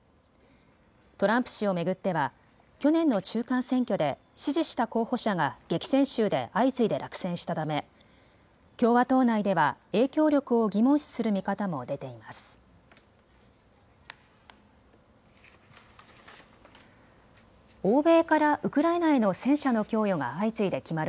トランプ氏を巡っては去年の中間選挙で支持した候補者が激戦州で相次いで落選したため共和党内では影響力を疑問視する見方も出ています。